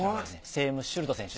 セーム・シュルト選手。